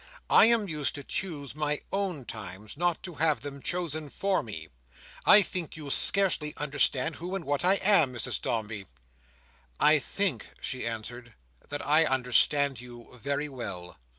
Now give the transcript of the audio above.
I am used to choose my own times; not to have them chosen for me. I think you scarcely understand who and what I am, Mrs Dombey." "I think," she answered, "that I understand you very well."